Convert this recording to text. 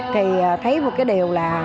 thì thấy một cái điều là